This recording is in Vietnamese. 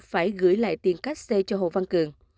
phải gửi lại tiền các xe cho hồ văn cường